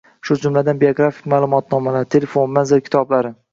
shu jumladan biografik ma’lumotnomalar, telefon, manzil kitoblari